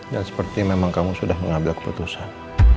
dan seperti memang kamu sudah mengambil keputusan